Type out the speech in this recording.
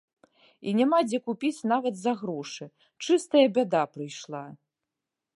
І няма дзе купіць нават за грошы, чыстая бяда прыйшла.